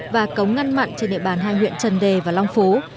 và cống ngăn mặn trên địa bàn hai huyện trần đề và long phú